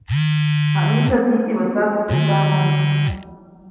Jayĩsäʼt nitibä tsat teʼ tsaʼmomo.